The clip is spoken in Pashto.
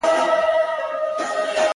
که به چي يو گړی د زړه له کوره ويستی يې نو_